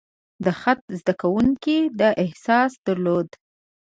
د خط زده کوونکي دا احساس درلود.